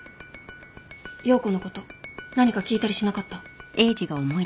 葉子のこと何か聞いたりしなかった？